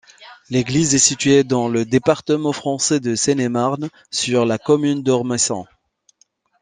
L'église est située dans le département français de Seine-et-Marne, sur la commune d'Ormesson.